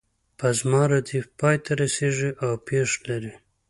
په زما ردیف پای ته رسیږي او پیښ لري.